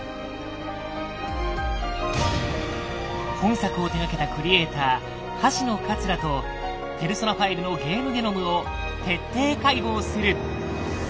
本作を手がけたクリエイター橋野桂と「ペルソナ５」のゲームゲノムを徹底解剖する。